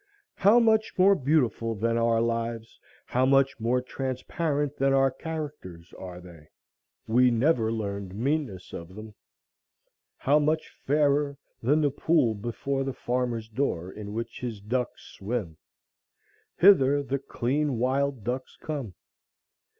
How much more beautiful than our lives, how much more transparent than our characters, are they! We never learned meanness of them. How much fairer than the pool before the farmer's door, in which his ducks swim! Hither the clean wild ducks come.